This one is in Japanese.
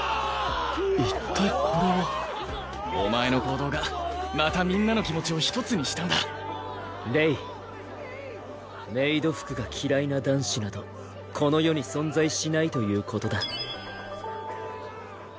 一体これはお前の行動がまたみんなの気持ちを一つにしたんだレイメイド服が嫌いな男子などこの世に存在しないということだ